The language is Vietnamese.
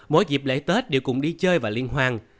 mỗi dịp lễ tết đều cùng đi chơi và liên hoan